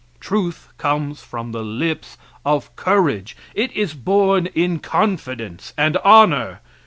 Truth comes from the lips of courage. It is born in confidence and honor.